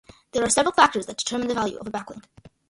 There are several factors that determine the value of a backlink.